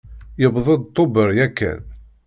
Yewweḍ-d Tubeṛ yakan.